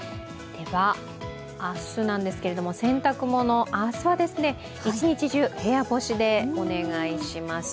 明日なんですけれども洗濯物、一日中部屋干しでお願いします。